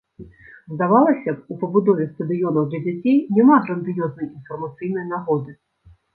Здавалася б, у пабудове стадыёнаў для дзяцей няма грандыёзнай інфармацыйнай нагоды.